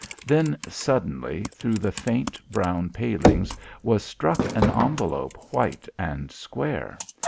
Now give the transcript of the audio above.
Then suddenly through the faint brown palings was struck an envelope white and square.